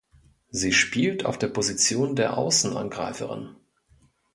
Sie spielt auf der Position der Außenangreiferin.